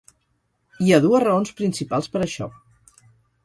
Hi ha dues raons principals per a això.